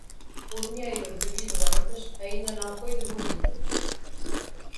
O dinheiro devido antes ainda não foi devolvido.